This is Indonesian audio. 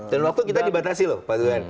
dan waktu kita dibatasi loh pak duen